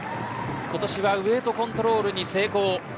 今年はウエイトコントロールに成功。